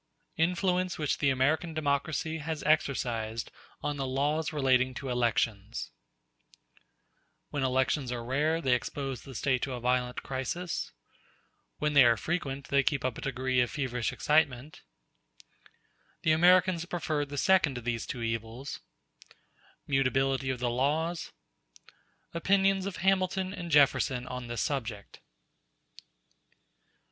Influence Which The American Democracy Has Exercised On The Laws Relating To Elections When elections are rare, they expose the State to a violent crisis—When they are frequent, they keep up a degree of feverish excitement—The Americans have preferred the second of these two evils—Mutability of the laws—Opinions of Hamilton and Jefferson on this subject.